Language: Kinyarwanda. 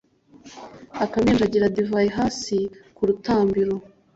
akaminjagira divayi hasi ku rutambiro,